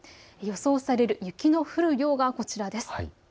予想される雪の降る量はこちらです。